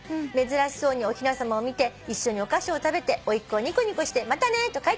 「珍しそうにおひなさまを見て一緒にお菓子を食べておいっ子はニコニコして『またね』と帰っていきました」